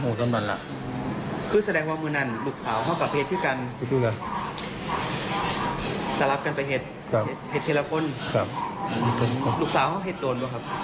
ลูกสาวเห็นตอนตอนบ้ายหรือว่าเห็นตอนกลางขึ้น